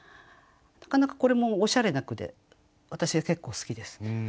なかなかこれもおしゃれな句で私は結構好きです。